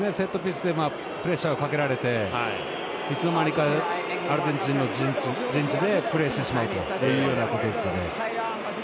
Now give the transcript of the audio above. プレッシャーをかけられていつの間にかアルゼンチンの陣地でプレーしてしまうということですよね。